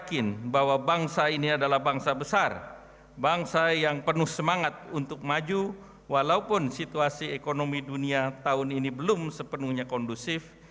tentu sahaja ini pertama saat seperti apa kata adanya kepada kita itu adalah tujuanimportant itu adalah